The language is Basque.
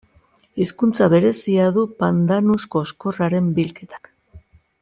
Hizkuntza berezia du pandanus koxkorraren bilketak.